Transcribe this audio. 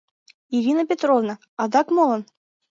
Ирина Петровна, адак молан?..